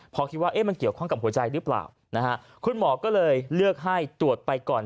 พอคิดว่ามันเกี่ยวข้องกับหัวใจหรือเปล่านะฮะคุณหมอก็เลยเลือกให้ตรวจไปก่อน